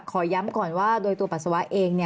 ขอย้ำก่อนว่าโดยตัวปัสสาวะเอง